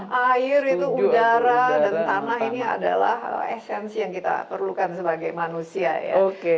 karena air itu udara dan tanah ini adalah esensi yang kita perlukan sebagai manusia ya